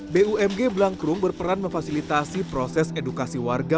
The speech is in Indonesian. bumg blangkrum berperan memfasilitasi proses edukasi warga